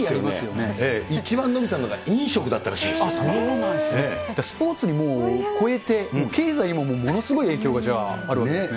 一番伸びたのが飲食だったらスポーツを超えて、経済もものすごい影響がじゃああるわけですね。